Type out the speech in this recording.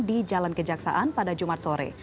di jalan kejaksaan pada jumat sore